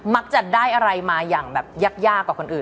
จะได้อะไรมาอย่างแบบยากกว่าคนอื่น